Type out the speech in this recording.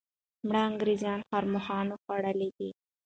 مړه انګریزان ښرموښانو خوړلي دي.